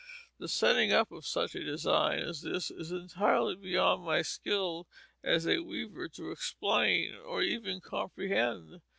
The "setting up" of such a design as this is entirely beyond my skill as a weaver to explain or even comprehend.